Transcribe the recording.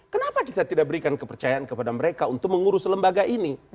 kenapa kita tidak berikan kepercayaan kepada mereka untuk mengurus lembaga ini